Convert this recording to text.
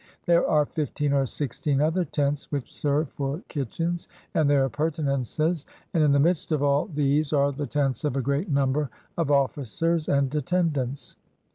There are fifteen or sixteen other tents which serve for kitchens and their appurtenances; and in the midst of all these 133 IXDL\ are the tents of a great number of officers and attend ants.